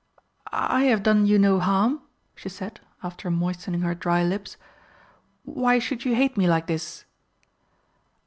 "I have done you no harm," she said, after moistening her dry lips. "Why should you hate me like this?"